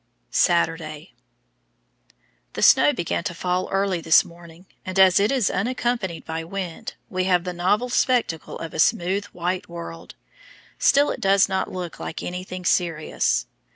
Saturday. The snow began to fall early this morning, and as it is unaccompanied by wind we have the novel spectacle of a smooth white world; still it does not look like anything serious.